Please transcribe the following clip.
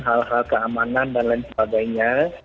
hal hal keamanan dan lain sebagainya